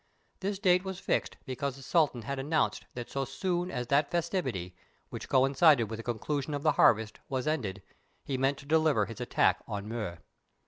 This date was fixed because the Sultan had announced that so soon as that festivity, which coincided with the conclusion of the harvest, was ended, he meant to deliver his attack on Mur.